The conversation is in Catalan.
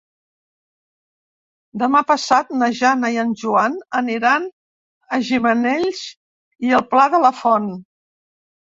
Demà passat na Jana i en Joan aniran a Gimenells i el Pla de la Font.